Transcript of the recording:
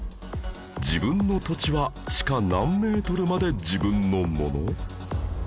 自分の土地は地下何メートルまで自分のもの？